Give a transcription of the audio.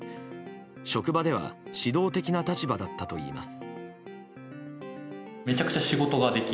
職場では指導的な立場だったといいます。